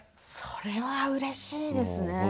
それはうれしいですね。